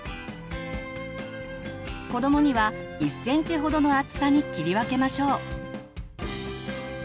子どもには１センチほどの厚さに切り分けましょう。